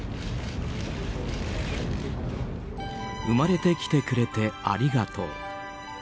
生まれてきてくれてありがとう。